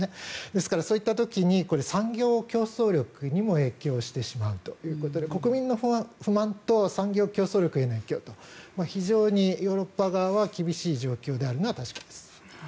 ですから、そういった時に産業競争力にも影響してしまうということで国民の不満と産業競争力への影響と非常にヨーロッパ側は厳しい状況であるのは確かです。